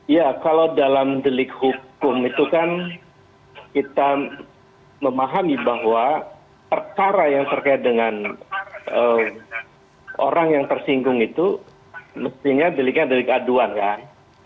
ya kalau dalam delik hukum itu kan kita memahami bahwa perkara yang terkait dengan orang yang tersinggung itu mestinya deliknya delik aduan kan